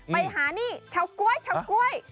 ไปหานี่ชาวก๊วย